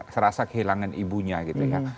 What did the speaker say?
serasa kehilangan ibunya gitu ya